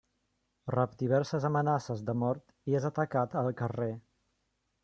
Rep diverses amenaces de mort i és atacat al carrer.